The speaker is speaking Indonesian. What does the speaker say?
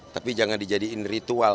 tapi jangan dijadikan ritual